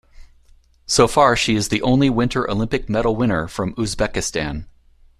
So far she is the only Winter Olympic medal winner from Uzbekistan.